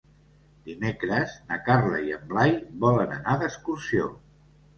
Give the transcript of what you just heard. Dimecres na Carla i en Blai volen anar d'excursió.